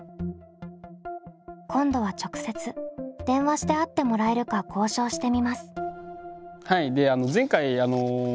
今度は直接電話して会ってもらえるか交渉してみます。